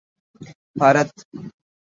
Bharat